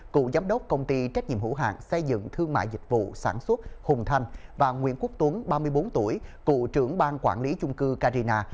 cựu giám đốc công ty trách nhiệm hữu hạng xây dựng thương mại dịch vụ sản xuất hùng thanh và nguyễn quốc tuấn ba mươi bốn tuổi cựu trưởng ban quản lý chung cư carina